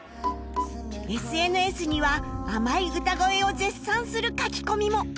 ＳＮＳ には甘い歌声を絶賛する書き込みも